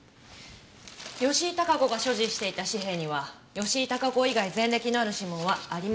吉井孝子が所持していた紙幣には吉井孝子以外前歴のある指紋はありませんでした。